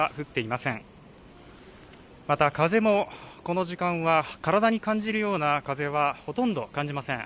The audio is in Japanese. また、風もこの時間は体に感じるような風はほとんど感じません。